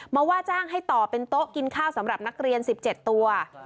ว่าจ้างให้ต่อเป็นโต๊ะกินข้าวสำหรับนักเรียน๑๗ตัว